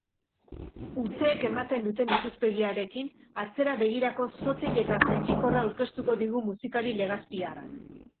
Urteek ematen duten ikuspegiarekin, atzera-begirako sotil eta sentikorra aurkeztuko digu musikari legazpiarrak.